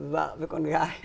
vợ với con gái